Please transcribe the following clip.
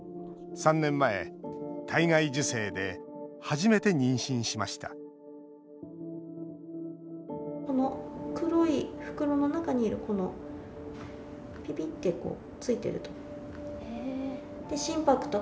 ３年前、体外受精で初めて妊娠しましたこの黒い袋の中にいるこのピピッてついているところ。